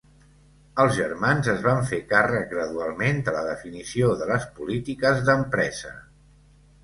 Els germans es van fer càrrec gradualment de la definició de les polítiques d'empresa.